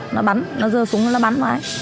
nó bắn nó dơ súng nó bắn vào ấy